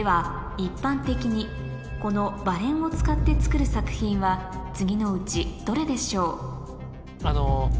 一般的にこの「馬れん」を使って作る作品は次のうちどれでしょう？